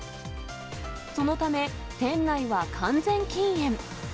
そのため、店内は完全禁煙。